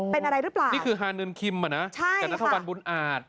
เป็นอะไรหรือเปล่านี่คือฮานิลคิมเหรอนะจากนัทธวรรณบุญอาจ